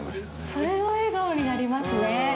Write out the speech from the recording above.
それは笑顔になりますね。